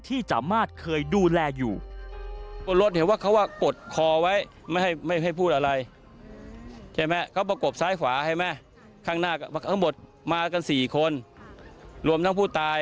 ที่จามมาทเคยดูแลอยู่